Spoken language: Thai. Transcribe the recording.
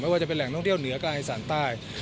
ว่าจะเป็นแหล่งท่องเที่ยวเหนือกลางอีสานใต้